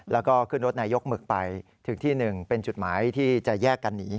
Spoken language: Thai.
แล้วก็ขึ้นรถนายกหมึกไปถึงที่หนึ่งเป็นจุดหมายที่จะแยกกันหนี